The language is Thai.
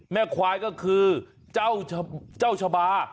แม่ควายก็คือเจ้าชะบา